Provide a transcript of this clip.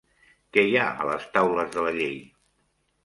Què hi ha a les Taules de la Llei?